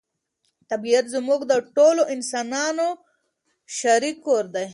طبیعت زموږ د ټولو انسانانو شریک کور دی.